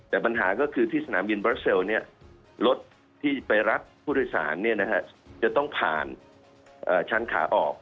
แต่ปัญหาก็คือที่สนามบินบราเซลรถที่ไปรับผู้โดยสารจะต้องผ่านชั้นขาออก